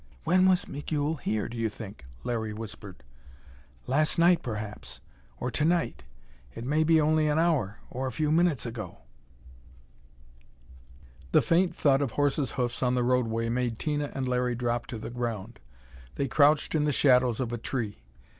"When was Migul here, do you think?" Larry whispered. "Last night, perhaps. Or to night. It may be only an hour or a few minutes ago." The faint thud of horses' hoofs on the roadway made Tina and Larry drop to the ground. They crouched in the shadows of a tree.